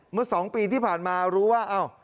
เมื่อ๒ปีที่ผ่านมารู้ว่าอ้าว